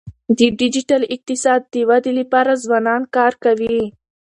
د ډیجیټل اقتصاد د ودي لپاره ځوانان کار کوي.